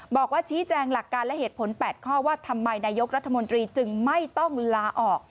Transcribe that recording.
บอกว่าชี้แจงหลักการและเหตุผล๘ข้อว่าทำไมนายกรัฐมนตรีจึงไม่ต้องลาออก